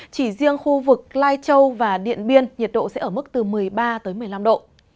chỉ riêng khu vực lai châu và điện biên nhiệt độ sẽ ở mức từ một mươi ba một mươi năm độ